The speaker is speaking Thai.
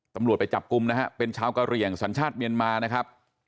ตำรวจไปจับกลุ่มนะฮะเป็นชาวกะเหลี่ยงสัญชาติเมียนมานะครับ